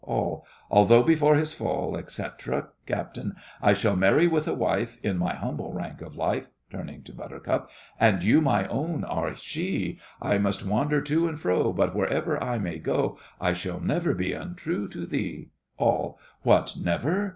ALL. Although before his fall, etc. CAPT. I shall marry with a wife, In my humble rank of life! (turning to BUT.) And you, my own, are she— I must wander to and fro; But wherever I may go, I shall never be untrue to thee! ALL. What, never?